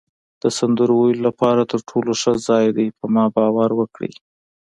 د سندرو ویلو لپاره تر ټولو ښه ځای دی، په ما باور وکړئ.